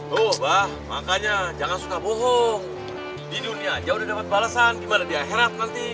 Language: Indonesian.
tuh bah makanya jangan suka bohong di dunia aja udah dapet balasan gimana dia herap nanti